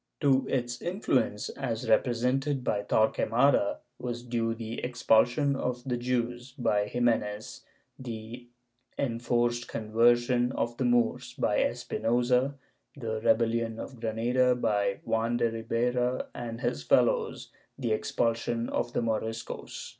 ^ To its influence, as represented by Torqucmada, was due the expul sion of the Jews; by Ximenes, the enforced conversion of the Moors; by Espinosa, the rebellion of Granada; by Juan de Ribera and his fellows, the expulsion of the Moriscos.